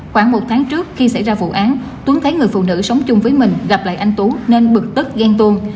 khoảng một tháng trước khi xảy ra vụ án tuấn thấy người phụ nữ sống chung với mình gặp lại anh tú nên bực tức ghen tuôn